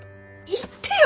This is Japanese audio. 言ってよ